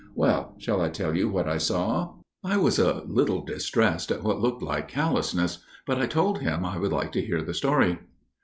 Well, shall I tell you what I saw?" I was a little distressed at what looked like callousness, but I told him I would like to hear the story.